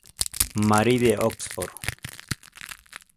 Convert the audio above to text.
Mary de Oxford.